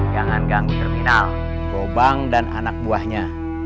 jangan ganggu terminal lubang dan anak buahnya